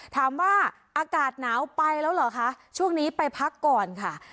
อากาศหนาวไปแล้วเหรอคะช่วงนี้ไปพักก่อนค่ะ